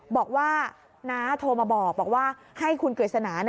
บอกว่าน้าโทรมาบอกว่าให้คุณกฤษณา